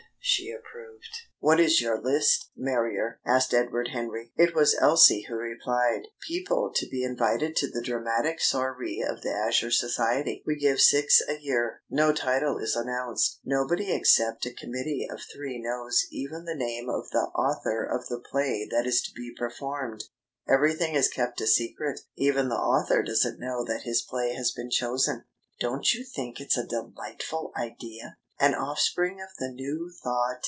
she approved. "What is your list, Marrier?" asked Edward Henry. It was Elsie who replied: "People to be invited to the dramatic soirée of the Azure Society. We give six a year. No title is announced. Nobody except a committee of three knows even the name of the author of the play that is to be performed. Everything is kept a secret. Even the author doesn't know that his play has been chosen. Don't you think it's a delightful idea? ... An offspring of the New Thought!"